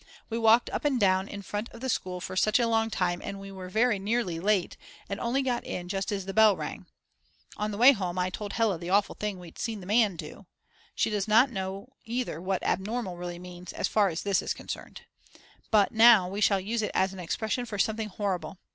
We walked up and down in front of the school for such a long time that we were very nearly late and only got in just as the bell rang. On the way home I told Hella the awful thing we'd seen the man do. She does not know either what "abnormal" really means as far as this is concerned. But now we shall use it as an expression for something horrible.